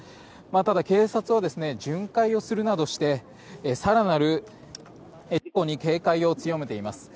ただ、警察は巡回をするなどして警戒を強めています。